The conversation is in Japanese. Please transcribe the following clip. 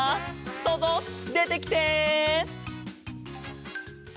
そうぞうでてきて。